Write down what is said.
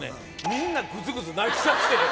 みんなグズグズ泣きだしてる